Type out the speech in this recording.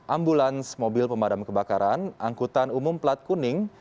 ambulans mobil pemadam kebakaran angkutan umum plat kuning